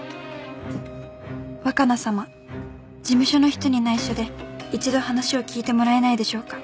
「若菜様事務所の人に内緒で１度話を聞いてもらえないでしょうか？」